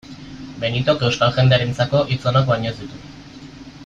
Benitok euskal jendearentzako hitz onak baino ez ditu.